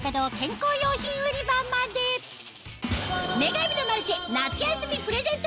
『女神のマルシェ』夏休みプレゼント